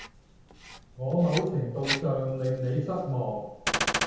我某程度上令你失望